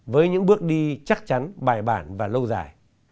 với những bước đi chắc chắn bài bản và lâu dài